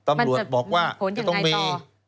มันจะมีผลยังไงต่อ